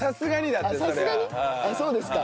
あっそうですか。